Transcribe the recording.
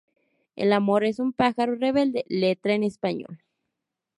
El amor es un pájaro rebelde, letra en español.